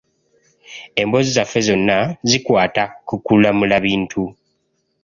Emboozi zaffe zonna zikwata ku kulamula bintu.